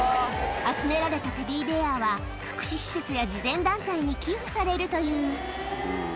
集められたテディベアは、福祉施設や慈善団体に寄付されるという。